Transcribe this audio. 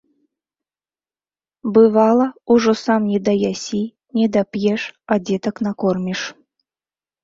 Бывала, ужо сам недаясі, недап'еш, а дзетак накорміш.